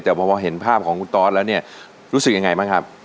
แต่พอเห็นภาพของคุณตอสแล้วเนี่ยรู้สึกยังไงบ้างครับ